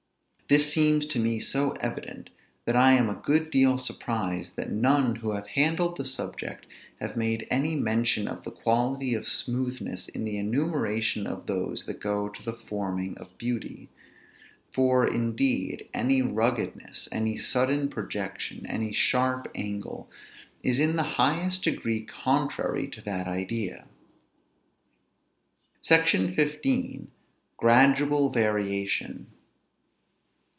This seems to me so evident, that I am a good deal surprised that none who have handled the subject have made any mention of the quality of smoothness in the enumeration of those that go to the forming of beauty. For, indeed, any ruggedness, any sudden, projection, any sharp angle, is in the highest degree contrary to that idea. SECTION XV. GRADUAL VARIATION.